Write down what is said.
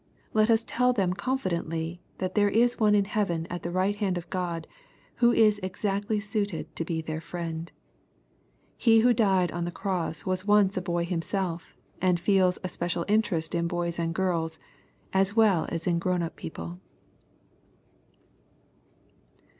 Let us tell them con fidently, that there is One in heaven at the right hand of God, who is exactly suited to be their Fiiend. He who died on the cross was once a boy Himself, and feels a special interest in boys and girls, as well as in grown up people.